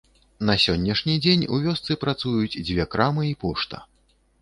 На сённяшні дзень у вёсцы працуюць дзве крамы і пошта.